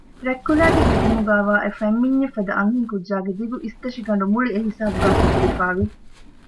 ރަތްކުލައިގެ ހެދުމުގައިވާ އެ ފަތްމިންޏެއް ފަދަ އަންހެން ކުއްޖާގެ ދިގު އިސްތަށިގަނޑު މުޅި އެ ހިސާބުގައި ފެތުރިފައިވި